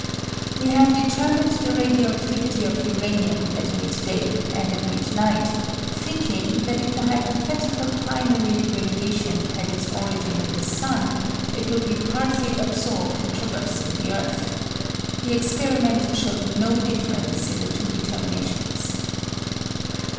"We have determined the radio activity of uranium at midday and at midnight, thinking that if the hypothetical primary radiation had its origin in the sun it would be partly absorbed in traversing the earth. The experiment showed no difference in the two determinations.